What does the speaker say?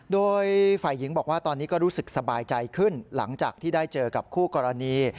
โดยฝ่ายหญิงบอกว่าตอนนี้ก็รู้สึกสบายใจขึ้นหลังจากที่ได้เจอกับคู่กรณี